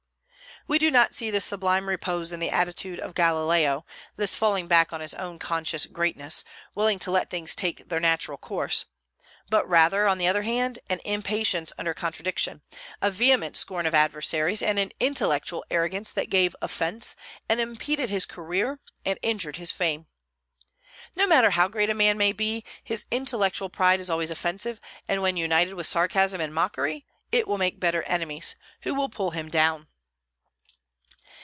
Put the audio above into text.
We do not see this sublime repose in the attitude of Galileo, this falling back on his own conscious greatness, willing to let things take their natural course; but rather, on the other hand, an impatience under contradiction, a vehement scorn of adversaries, and an intellectual arrogance that gave offence, and impeded his career, and injured his fame. No matter how great a man may be, his intellectual pride is always offensive; and when united with sarcasm and mockery it will make bitter enemies, who will pull him down.